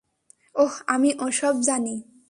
ওহ, আমি ওসব জানি।